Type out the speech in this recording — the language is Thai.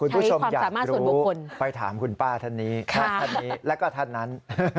คุณผู้ชมอยากรู้ไปถามคุณป้าท่านนี้ท่านนี้แล้วก็ท่านนั้น